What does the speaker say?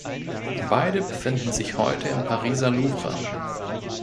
Beide befinden sich heute im Pariser Louvre.